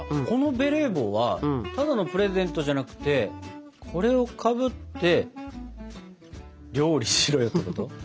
このベレー帽はただのプレゼントじゃなくてこれをかぶって料理しろよってこと？